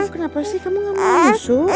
kenapa sih kamu gak mau masuk